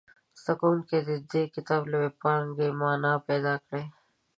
زده کوونکي دې د دې کتاب له وییپانګې معنا پیداکړي.